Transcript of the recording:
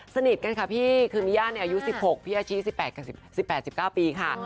สนิทกันค่ะพี่คือมีย่าอายุ๑๖พี่อาชิ๑๘๑๙ปีค่ะ